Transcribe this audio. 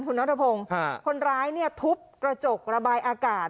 คุณนัทพงศ์คนร้ายเนี่ยทุบกระจกระบายอากาศ